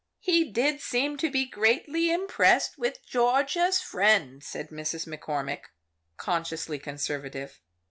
"He did seem to be greatly impressed with Georgia's friend." said Mrs. McCormick, consciously conservative.